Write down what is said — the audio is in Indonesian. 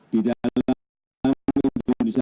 di dalam kemajuan indonesia